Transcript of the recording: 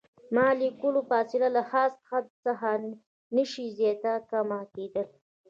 د مالیکول فاصله له خاص حد څخه نشي زیاته کمه کیدلی.